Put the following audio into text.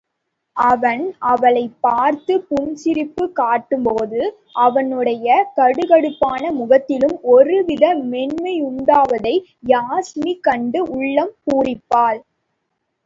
அவன் அவளைப் பார்த்துப் புன்சிரிப்புக் காட்டும்போது, அவனுடைய கடுகடுப்பான முகத்திலும் ஒருவித மென்மையுண்டாவதை யாஸ்மி கண்டு உள்ளம் பூரிப்பாள்.